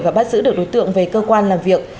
và bắt giữ được đối tượng về cơ quan làm việc